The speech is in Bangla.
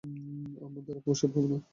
আমার দ্বারা পুশ-আপ হবে না।